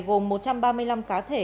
gồm một trăm ba mươi năm cá thể